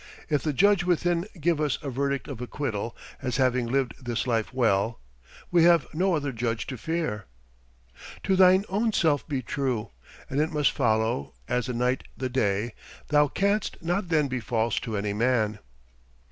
If the Judge within give us a verdict of acquittal as having lived this life well, we have no other Judge to fear. "To thine own self be true, And it must follow, as the night the day, Thou canst not then be false to any man."